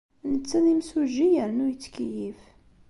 Netta d imsujji yernu yettkeyyif.